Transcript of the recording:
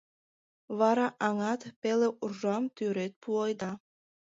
Вара аҥат пеле уржам тӱред пуэда.